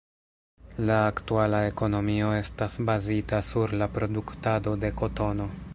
La aktuala ekonomio estas bazita sur la produktado de kotono.